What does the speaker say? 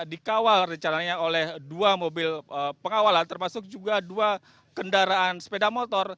dikawal rencananya oleh dua mobil pengawalan termasuk juga dua kendaraan sepeda motor